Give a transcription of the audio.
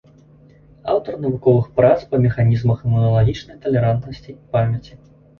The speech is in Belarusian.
Аўтар навуковых прац па механізмах імуналагічнай талерантнасці, памяці.